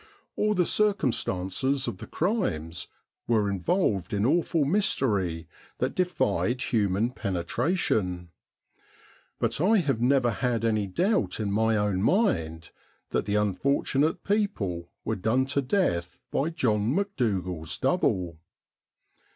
All the circumstances of the crimes were involved in awful mystery that defied human penetration ; but I have never had any doubt in my own mind that the unfortunate people were done to death by John Maedougal's double.